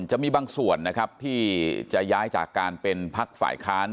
จะมีบางส่วนนะครับที่จะย้ายจากการเป็นพักฝ่ายค้าน